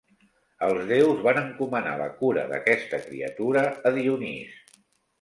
Els déus van encomanar la cura d'aquesta criatura a Dionís.